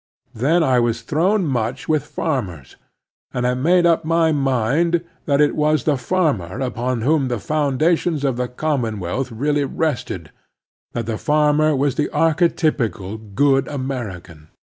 Then I was thrown much with farm ers, and I made up my mind that it was the farmer upon whom the fotmdations of the commonwealth really rested — that the farmer was the archetypical good American.